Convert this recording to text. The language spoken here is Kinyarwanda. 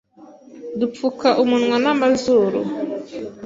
dupfuka umunwa n'amazuru